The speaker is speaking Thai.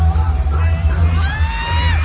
กลับไปกลับไป